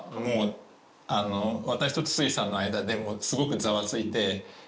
もう私と筒井さんの間ですごくざわついて。